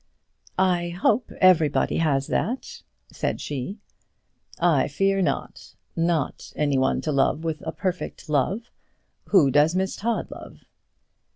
"I hope everybody has that," said she. "I fear not; not anyone to love with a perfect love. Who does Miss Todd love?"